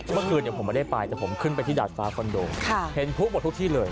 มันเป็นที่ดาดฟ้าควันโดงเห็นพุกหมดทุกที่เลย